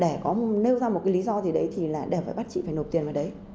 để có nêu ra một cái lý do gì đấy thì là đều phải bắt chị phải nộp tiền vào đấy